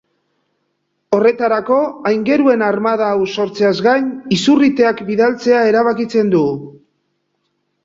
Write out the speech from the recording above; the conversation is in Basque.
Horretarako, aingeruen armada hau sortzeaz gain, izurriteak bidaltzea erabakitzen du.